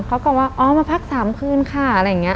เขาบอกว่าอ๋อมาพัก๓คืนค่ะอะไรอย่างนี้